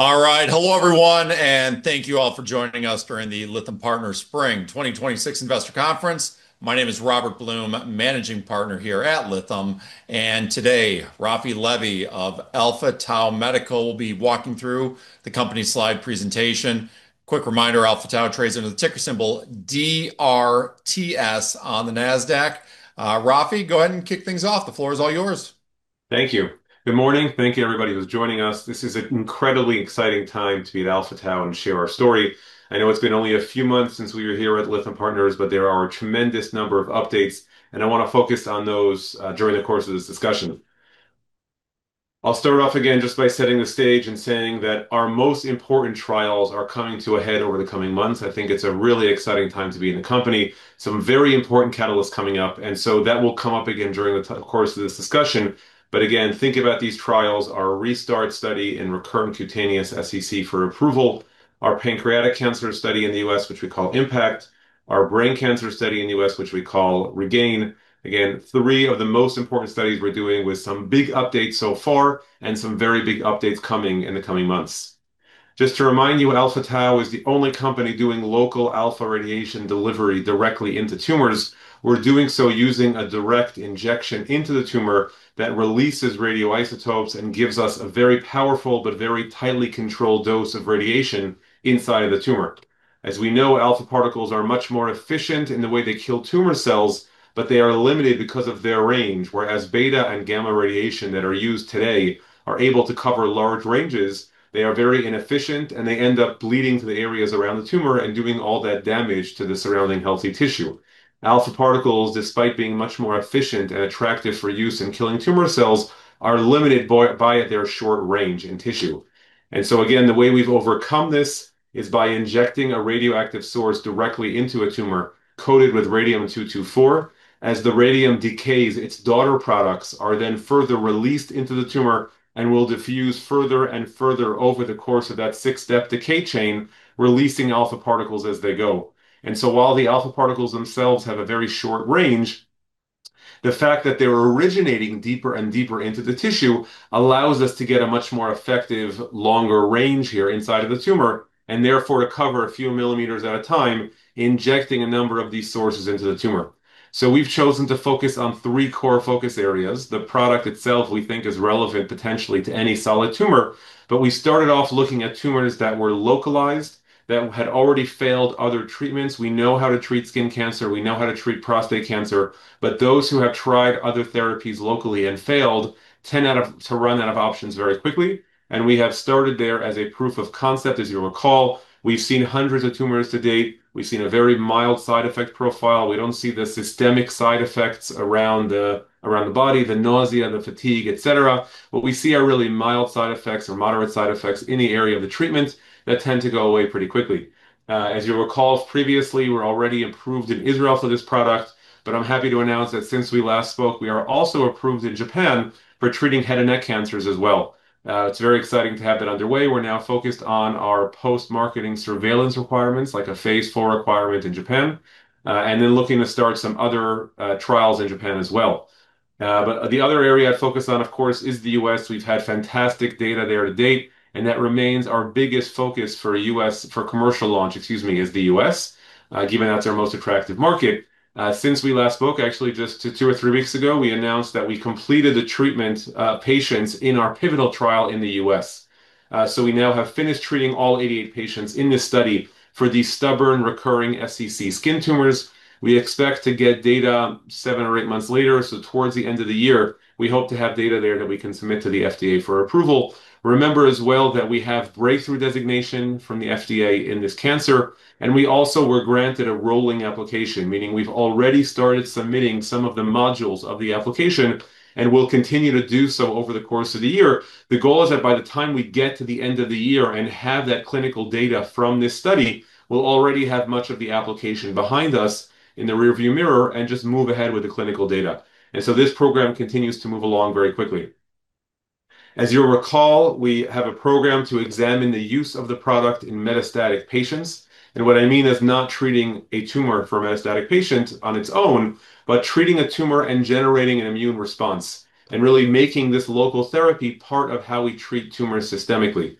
All right. Hello everyone, thank you all for joining us during the Lytham Partners Spring 2026 Investor Conference. My name is Robert Blum, managing partner here at Lytham, and today Raphi Levy of Alpha Tau Medical will be walking through the company slide presentation. Quick reminder, Alpha Tau trades under the ticker symbol DRTS on the Nasdaq. Raphi, go ahead and kick things off. The floor is all yours. Thank you. Good morning. Thank you everybody who's joining us. This is an incredibly exciting time to be at Alpha Tau and share our story. I know it's been only a few months since we were here with Lytham Partners, but there are a tremendous number of updates, and I want to focus on those during the course of this discussion. I'll start off again just by setting the stage and saying that our most important trials are coming to a head over the coming months. I think it's a really exciting time to be in the company, some very important catalysts coming up. That will come up again during the course of this discussion. Again, think about these trials, our ReSTART study in recurrent cutaneous SCC for approval, our pancreatic cancer study in the U.S., which we call IMPACT, our brain cancer study in the U.S., which we call REGAIN. Again, three of the most important studies we're doing with some big updates so far and some very big updates coming in the coming months. Just to remind you, Alpha Tau is the only company doing local alpha radiation delivery directly into tumors. We're doing so using a direct injection into the tumor that releases radioisotopes and gives us a very powerful but very tightly controlled dose of radiation inside the tumor. As we know, alpha particles are much more efficient in the way they kill tumor cells, but they are limited because of their range. Beta and gamma radiation that are used today are able to cover large ranges, they are very inefficient, and they end up bleeding to the areas around the tumor and doing all that damage to the surrounding healthy tissue. Alpha particles, despite being much more efficient and attractive for use in killing tumor cells, are limited by their short range in tissue. Again, the way we've overcome this is by injecting a radioactive source directly into a tumor coated with radium-224. As the radium decays, its daughter products are then further released into the tumor and will diffuse further and further over the course of that six-step decay chain, releasing alpha particles as they go. While the alpha particles themselves have a very short range, the fact that they're originating deeper and deeper into the tissue allows us to get a much more effective, longer range here inside of the tumor, and therefore to cover a few millimeters at a time, injecting a number of these sources into the tumor. We've chosen to focus on three core focus areas. The product itself, we think, is relevant potentially to any solid tumor, but we started off looking at tumors that were localized, that had already failed other treatments. We know how to treat skin cancer, we know how to treat prostate cancer, but those who have tried other therapies locally and failed tend to run out of options very quickly. We have started there as a proof of concept, as you'll recall. We've seen hundreds of tumors to date. We've seen a very mild side effect profile. We don't see the systemic side effects around the body, the nausea, the fatigue, et cetera. What we see are really mild side effects or moderate side effects in the area of the treatment that tend to go away pretty quickly. As you'll recall previously, we're already approved in Israel for this product. I'm happy to announce that since we last spoke, we are also approved in Japan for treating head and neck cancers as well. It's very exciting to have that underway. We're now focused on our post-marketing surveillance requirements, like a phase IV requirement in Japan, looking to start some other trials in Japan as well. The other area of focus on, of course, is the U.S. We've had fantastic data there to date, and that remains our biggest focus for commercial launch, excuse me, is the U.S., given that's our most attractive market. Since we last spoke, actually just two or three weeks ago, we announced that we completed the treatment patients in our pivotal trial in the U.S. We now have finished treating all 88 patients in this study for the stubborn recurring SCC skin tumors. We expect to get data seven or eight months later, so towards the end of the year, we hope to have data there that we can submit to the FDA for approval. Remember as well that we have breakthrough designation from the FDA in this cancer, and we also were granted a rolling application, meaning we've already started submitting some of the modules of the application and will continue to do so over the course of the year. The goal is that by the time we get to the end of the year and have that clinical data from this study, we'll already have much of the application behind us in the rearview mirror and just move ahead with the clinical data. This program continues to move along very quickly. As you'll recall, we have a program to examine the use of the product in metastatic patients. What I mean is not treating a tumor for a metastatic patient on its own, but treating a tumor and generating an immune response and really making this local therapy part of how we treat tumors systemically.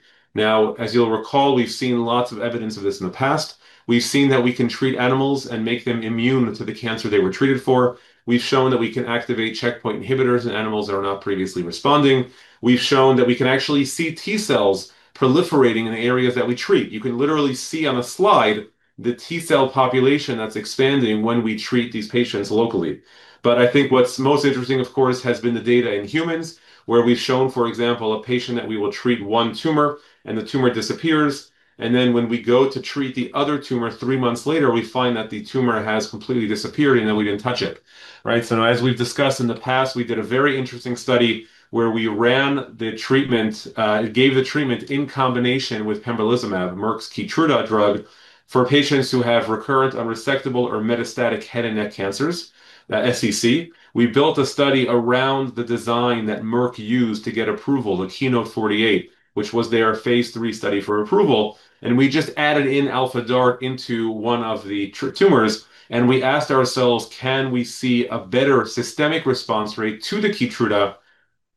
As you'll recall, we've seen lots of evidence of this in the past. We've seen that we can treat animals and make them immune to the cancer they were treated for. We've shown that we can activate checkpoint inhibitors in animals that are not previously responding. We've shown that we can actually see T cells proliferating in the areas that we treat. You can literally see on a slide the T cell population that's expanding when we treat these patients locally. I think what's most interesting, of course, has been the data in humans, where we've shown, for example, a patient that we will treat one tumor and the tumor disappears, and then when we go to treat the other tumor three months later, we find that the tumor has completely disappeared even though we didn't touch it. Right? Now as we've discussed in the past, we did a very interesting study where we gave the treatment in combination with pembrolizumab, Merck's KEYTRUDA drug, for patients who have recurrent unresectable or metastatic head and neck cancers, SCC. We built a study around the design that Merck used to get approval, the KEYNOTE-048, which was their phase III study for approval. We just added in Alpha DaRT into one of the tumors, and we asked ourselves, can we see a better systemic response rate to the KEYTRUDA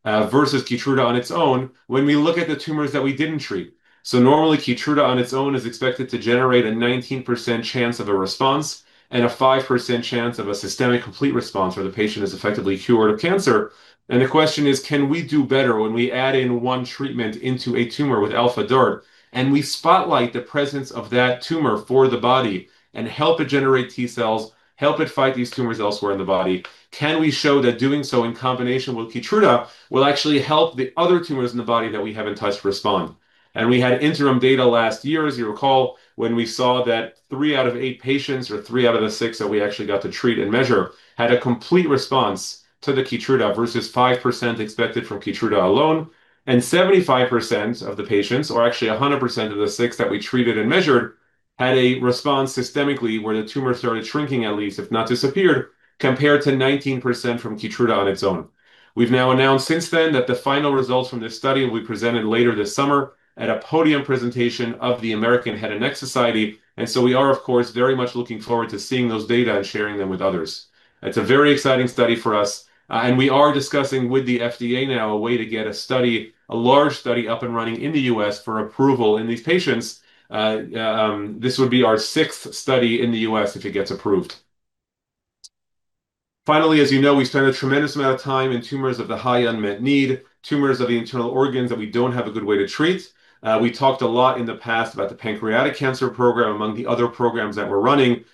versus KEYTRUDA on its own when we look at the tumors that we didn't treat. Normally, KEYTRUDA on its own is expected to generate a 19% chance of a response and a 5% chance of a systemic complete response where the patient is effectively cured of cancer. The question is. Can we do better when we add in one treatment into a tumor with Alpha DaRT, and we spotlight the presence of that tumor for the body and help it generate T cells, help it fight these tumors elsewhere in the body? Can we show that doing so in combination with KEYTRUDA will actually help the other tumors in the body that we haven't touched respond? We had interim data last year, as you recall, when we saw that three out of eight patients or three out of the six that we actually got to treat and measure had a complete response to the KEYTRUDA versus 5% expected from KEYTRUDA alone, and 75% of the patients, or actually 100% of the six that we treated and measured, had a response systemically where the tumor started shrinking at least, if not disappeared, compared to 19% from KEYTRUDA on its own. We've now announced since then that the final results from this study will be presented later this summer at a podium presentation of the American Head and Neck Society. We are, of course, very much looking forward to seeing those data and sharing them with others. It's a very exciting study for us. We are discussing with the FDA now a way to get a study, a large study, up and running in the U.S. for approval in these patients. This would be our sixth study in the U.S. if it gets approved. Finally, as you know, we spend a tremendous amount of time in tumors of the high unmet need, tumors of the internal organs that we don't have a good way to treat. We talked a lot in the past about the pancreatic cancer program, among the other programs that we're running.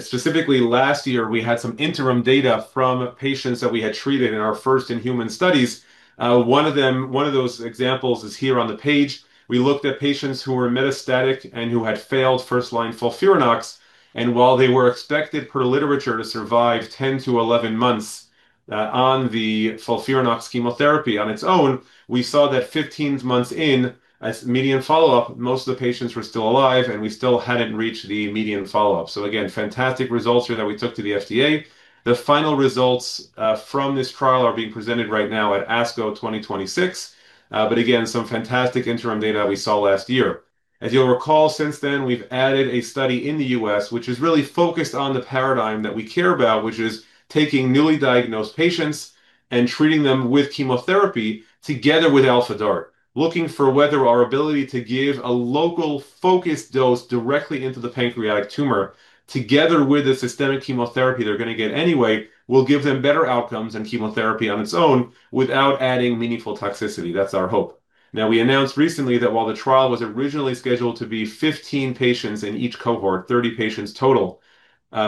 Specifically last year, we had some interim data from patients that we had treated in our first in-human studies. One of those examples is here on the page. We looked at patients who were metastatic and who had failed first-line FOLFIRINOX, and while they were expected per literature to survive 10-11 months on the FOLFIRINOX chemotherapy on its own, we saw that 15 months in as median follow-up, most of the patients were still alive, and we still hadn't reached the median follow-up. Again, fantastic results here that we took to the FDA. The final results from this trial are being presented right now at ASCO 2026. Again, some fantastic interim data we saw last year. As you'll recall, since then, we've added a study in the U.S. which is really focused on the paradigm that we care about, which is taking newly diagnosed patients and treating them with chemotherapy together with Alpha DaRT, looking for whether our ability to give a local focused dose directly into the pancreatic tumor, together with the systemic chemotherapy they're going to get anyway, will give them better outcomes than chemotherapy on its own without adding meaningful toxicity. That's our hope. Now, we announced recently that while the trial was originally scheduled to be 15 patients in each cohort, 30 patients total,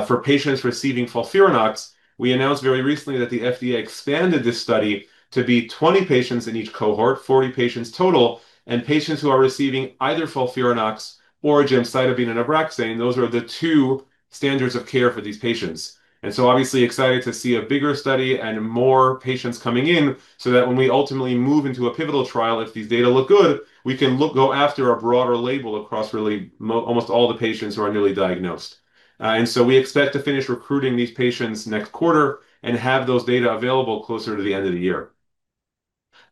for patients receiving FOLFIRINOX, we announced very recently that the FDA expanded this study to be 20 patients in each cohort, 40 patients total, and patients who are receiving either FOLFIRINOX or gemcitabine and ABRAXANE, those are the two standards of care for these patients. Obviously excited to see a bigger study and more patients coming in so that when we ultimately move into a pivotal trial, if these data look good, we can go after a broader label across really almost all the patients who are newly diagnosed. We expect to finish recruiting these patients next quarter and have those data available closer to the end of the year.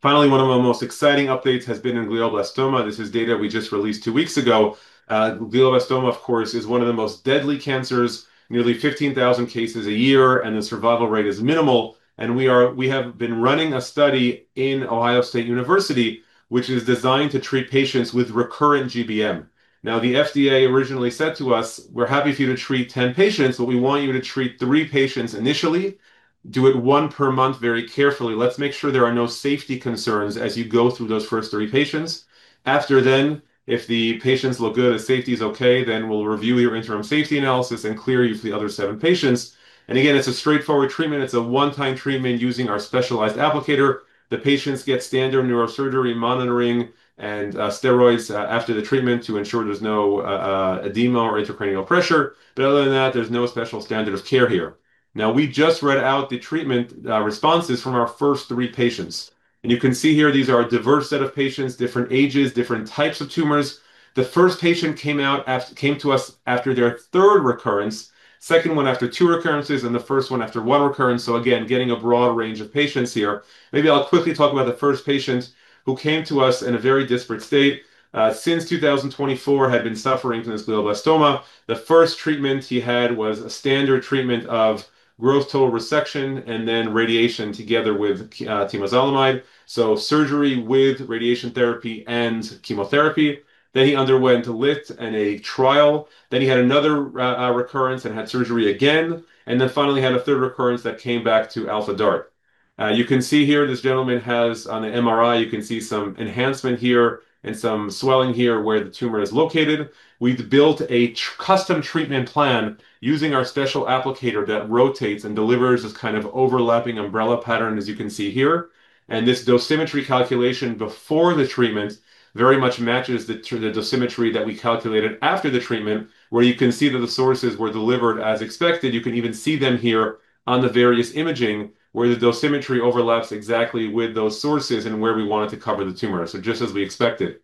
Finally, one of our most exciting updates has been in glioblastoma. This is data we just released two weeks ago. Glioblastoma, of course, is one of the most deadly cancers, nearly 15,000 cases a year, and the survival rate is minimal. We have been running a study in The Ohio State University, which is designed to treat patients with recurrent GBM. The FDA originally said to us, "We're happy for you to treat 10 patients, but we want you to treat three patients initially, do it one per month very carefully. Let's make sure there are no safety concerns as you go through those first three patients. After then, if the patients look good and safety is okay, then we'll review your interim safety analysis and clear you for the other seven patients." Again, it's a straightforward treatment. It's a one-time treatment using our specialized applicator. The patients get standard neurosurgery monitoring and steroids after the treatment to ensure there's no edema or intracranial pressure. Other than that, there's no special standard of care here. We just read out the treatment responses from our first three patients. You can see here, these are a diverse set of patients, different ages, different types of tumors. The first patient came to us after their third recurrence, second one after two recurrences, and the first one after one recurrence. Again, getting a broad range of patients here. Maybe I'll quickly talk about the first patient who came to us in a very disparate state. Since 2024, he had been suffering from this glioblastoma. The first treatment he had was a standard treatment of gross total resection and then radiation together with temozolomide, so surgery with radiation therapy and chemotherapy. He underwent a LITT and a trial. He had another recurrence and had surgery again, and then finally had a third recurrence that came back to Alpha DaRT. You can see here, this gentleman has, on the MRI, you can see some enhancement here and some swelling here where the tumor is located. We've built a custom treatment plan using our special applicator that rotates and delivers this kind of overlapping umbrella pattern, as you can see here. This dosimetry calculation before the treatment very much matches the dosimetry that we calculated after the treatment, where you can see that the sources were delivered as expected. You can even see them here on the various imaging, where the dosimetry overlaps exactly with those sources and where we wanted to cover the tumor. Just as we expected.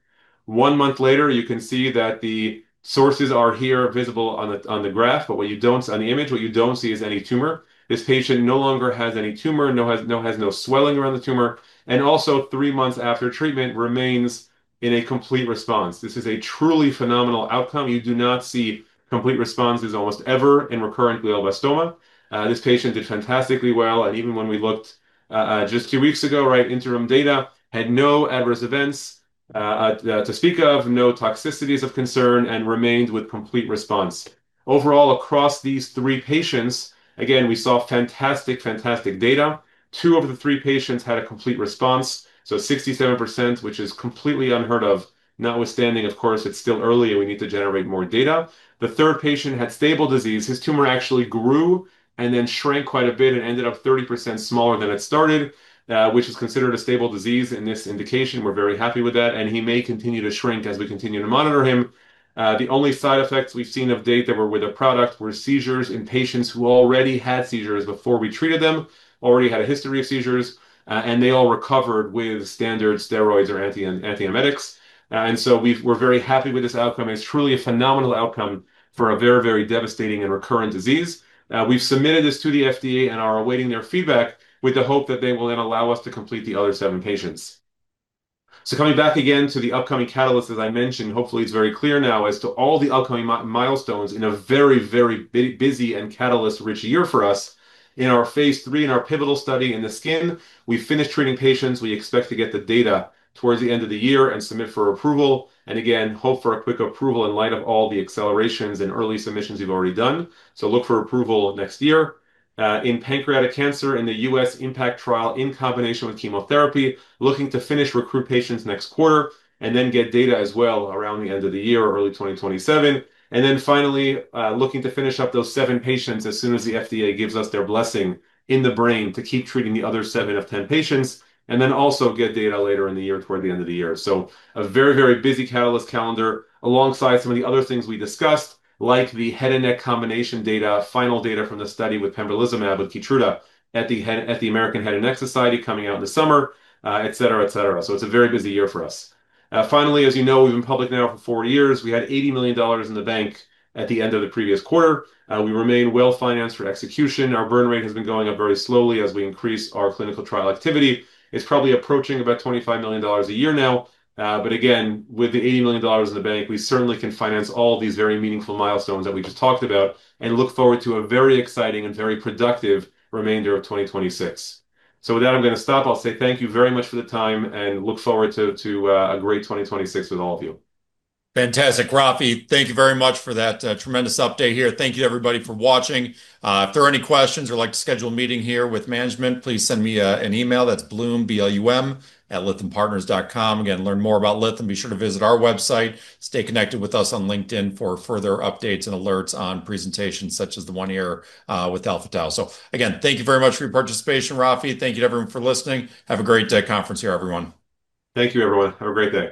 One month later, you can see that the sources are here visible on the graph, on the image, but what you don't see is any tumor. This patient no longer has any tumor, no swelling around the tumor, and also three months after treatment, remains in a complete response. This is a truly phenomenal outcome. You do not see complete responses almost ever in recurrent glioblastoma. This patient did fantastically well, and even when we looked just two weeks ago, interim data, had no adverse events to speak of, no toxicities of concern, and remained with complete response. Overall, across these three patients, again, we saw fantastic data. Two of the three patients had a complete response, so 67%, which is completely unheard of. Notwithstanding, of course, it is still early and we need to generate more data. The third patient had stable disease. His tumor actually grew and then shrank quite a bit and ended up 30% smaller than it started, which is considered a stable disease in this indication. We are very happy with that, and he may continue to shrink as we continue to monitor him. The only side effects we've seen to date that were with the product were seizures in patients who already had seizures before we treated them, already had a history of seizures, and they all recovered with standard steroids or antiepileptics. We're very happy with this outcome, and it's truly a phenomenal outcome for a very, very devastating and recurrent disease. We've submitted this to the FDA and are awaiting their feedback with the hope that they will then allow us to complete the other seven patients. Coming back again to the upcoming catalysts, as I mentioned, hopefully it's very clear now as to all the upcoming milestones in a very, very busy and catalyst-rich year for us. In our phase III, in our pivotal study in the skin, we finished treating patients. We expect to get the data towards the end of the year and submit for approval, and again, hope for a quick approval in light of all the accelerations and early submissions we've already done. Look for approval next year. In pancreatic cancer in the U.S. IMPACT trial in combination with chemotherapy, looking to finish recruit patients next quarter and then get data as well around the end of the year or early 2027. Finally, looking to finish up those seven patients as soon as the FDA gives us their blessing in the brain to keep treating the other seven of 10 patients, and then also get data later in the year, toward the end of the year. A very, very busy catalyst calendar alongside some of the other things we discussed, like the head and neck combination data, final data from the study with pembrolizumab with KEYTRUDA at the American Head and Neck Society coming out in the summer, et cetera. It's a very busy year for us. Finally, as you know, we've been public now for four years. We had $80 million in the bank at the end of the previous quarter. We remain well-financed for execution. Our burn rate has been going up very slowly as we increase our clinical trial activity. It's probably approaching about $25 million a year now. Again, with the $80 million in the bank, we certainly can finance all these very meaningful milestones that we just talked about and look forward to a very exciting and very productive remainder of 2026. With that, I'm going to stop. I'll say thank you very much for the time, and look forward to a great 2026 with all of you. Fantastic, Raphi. Thank you very much for that tremendous update here. Thank you everybody for watching. If there are any questions or you'd like to schedule a meeting here with management, please send me an email. That's Blum, B-L-U-M, @lythampartners.com. Again, learn more about Lytham, be sure to visit our website. Stay connected with us on LinkedIn for further updates and alerts on presentations such as the one here with Alpha Tau. Again, thank you very much for your participation, Raphi. Thank you to everyone for listening. Have a great day at conference here, everyone. Thank you, everyone. Have a great day.